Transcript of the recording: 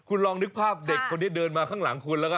คุณลองนึกภาพเด็กคนนี้เดินมาข้างหลังคุณแล้วก็